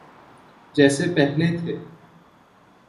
جیسے پہلے تھے۔